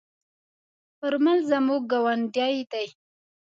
آرمل زموږ گاوندی دی.